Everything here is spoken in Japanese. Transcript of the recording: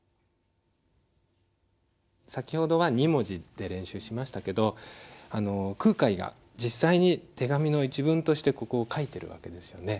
先ほどは２文字で練習しましたけど空海が実際に手紙の一文としてここを書いてる訳ですよね。